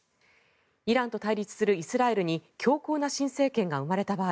イランと対立するイスラエルに強硬な新政権が生まれた場合